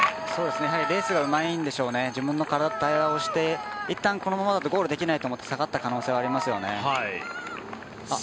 レースがうまいんでしょうね、対応していったん、このままだとゴールできないと思って下がった可能性がありますね。